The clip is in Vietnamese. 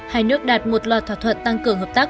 hai nước đạt một loạt thỏa thuận tăng cường hợp tác